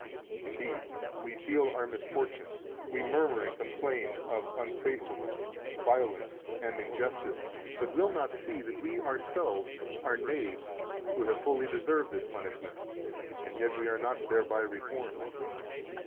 155 Indeed, we feel our misfortune, we murmur and complain of unfaithfulness, violence, and injustice, but will not see that we ourselves are knaves who have fully deserved this punishment, and yet are not thereby reformed.